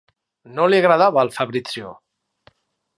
No li agradava el Fabrizio.